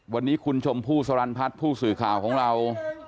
วันนี้คุณชมพู่สรรพัฒน์ผู้สื่อข่าวของเรา